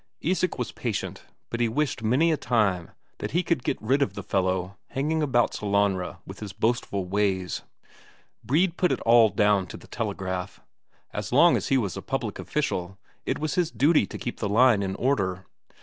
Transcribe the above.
Isak was patient, but he wished many a time that he could get rid of the fellow, hanging about Sellanraa with his boastful ways. Brede put it all down to the telegraph; as long as he was a public official, it was his duty to keep the line in order.